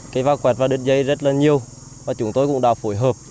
cây va quẹt và đất dây rất là nhiều và chúng tôi cũng đã phối hợp